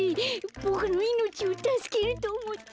ボクのいのちをたすけるとおもって！